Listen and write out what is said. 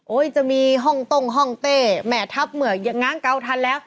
จะมีห้องต้งห้องเต้แหม่ทับเหมือกอย่างง้างเกาทันแล้ว